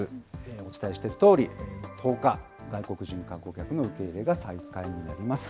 お伝えしてきたとおり、１０日、外国人観光客の受け入れが再開になります。